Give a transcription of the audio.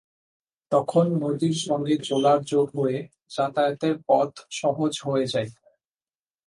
তখন নদীর সঙ্গে জোলার যোগ হয়ে যাতায়াতের পথ সহজ হয়ে যায়।